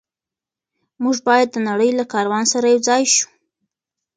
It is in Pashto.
موږ باید د نړۍ له کاروان سره یوځای شو.